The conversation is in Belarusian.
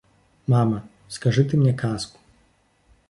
Мама, скажы ты мне казку.